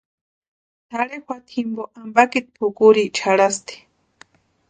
Tʼarhe juata jimpo ampakiti pʼukuriecha jarhasti.